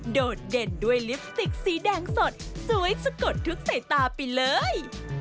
โดดเด่นด้วยลิปสติกสีแดงสดสวยสะกดทุกสายตาไปเลย